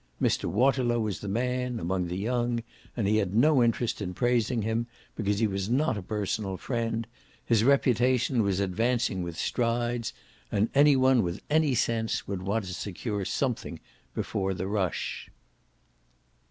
Mr. Waterlow was the man, among the young, and he had no interest in praising him, because he was not a personal friend: his reputation was advancing with strides, and any one with any sense would want to secure something before the rush.